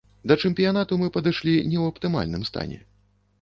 Да чэмпіянату мы падышлі не ў аптымальным стане.